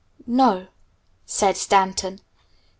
"No," said Stanton.